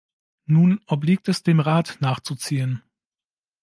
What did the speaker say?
Nun obliegt es dem Rat, nachzuziehen.